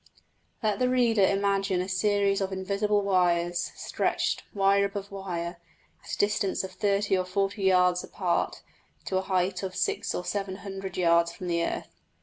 Let the reader imagine a series of invisible wires stretched, wire above wire, at a distance of thirty or forty yards apart, to a height of six or seven hundred yards from the earth.